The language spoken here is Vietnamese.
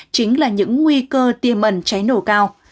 chính là những nguy cơ tiềm ẩn cháy nổ cao